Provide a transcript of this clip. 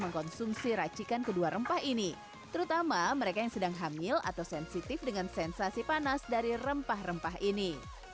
mengkonsumsi racikan kedua rempah ini terutama mereka yang sedang hamil atau sensitif dengan sensasi panas dari rempah rempah ini